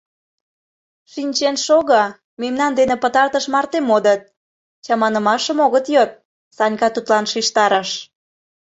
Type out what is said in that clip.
— Шинчен шого: мемнан дене пытартыш марте модыт... чаманымашым огыт йод, — Санька тудлан шижтарыш.